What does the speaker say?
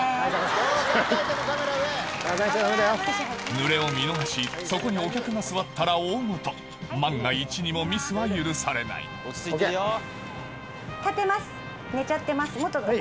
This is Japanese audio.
濡れを見逃しそこにお客が座ったら大ごと万が一にもミスは許されないＯＫ。